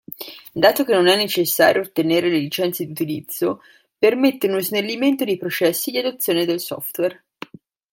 Dato che non è necessario ottenere le licenze d'utilizzo, permette uno snellimento dei processi di adozione del software.